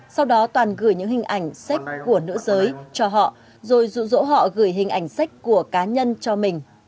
sau đó toàn gửi những hình ảnh sách của nữ giới cho họ rồi rụ rỗ họ gửi hình ảnh sách của cá nhân cho mình